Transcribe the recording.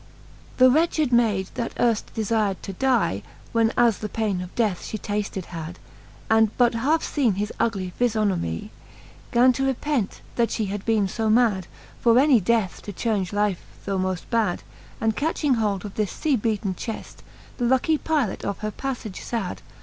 XI. The wretched mayd, that earft defir'd to die, When as the paine of death (he tafted had, And but halfe feene his ugly viihomie, Gan to repent, that fhe had beene fe mad, For any death to chaunge life though moft bad : And catching hold of this fea beaten cheft, The lucky pylot of her paffage lad.